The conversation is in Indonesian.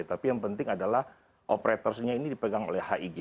tapi yang penting adalah operatorsnya ini dipegang oleh hig